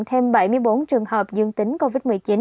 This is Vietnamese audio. thêm bảy mươi bốn trường hợp dương tính covid một mươi chín